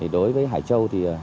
đối với hải châu